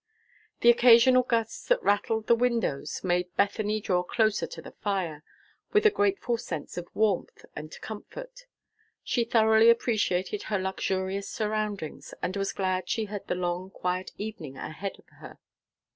The occasional gusts that rattled the windows made Bethany draw closer to the fire, with a grateful sense of warmth and comfort. She thoroughly appreciated her luxurious surroundings, and was glad she had the long, quiet evening ahead of her.